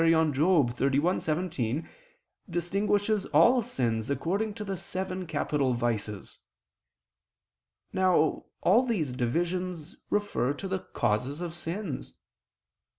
xxxi, 17), distinguishes all sins according to the seven capital vices. Now all these divisions refer to the causes of sins.